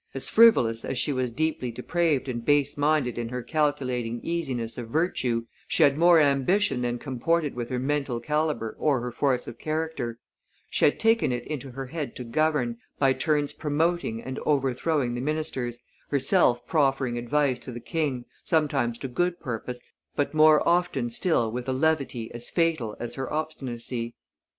As frivolous as she was deeply depraved and baseminded in her calculating easiness of virtue, she had more ambition than comported with her mental calibre or her force of character; she had taken it into her head to govern, by turns promoting and overthrowing the ministers, herself proffering advice to the king, sometimes to good purpose, but more often still with a levity as fatal as her obstinacy.